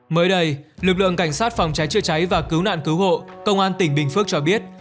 mới đây lực lượng cảnh sát phòng cháy chữa cháy và cứu nạn cứu hộ công an tỉnh bình phước cho biết